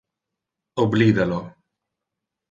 Oblida lo.